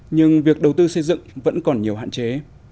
nhưng việc đầu tư xây dựng vẫn còn nhiều hạn chế